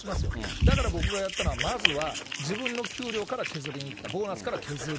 だから僕がやったのはまずは自分の給料から削りにいった、ボーナスから削る。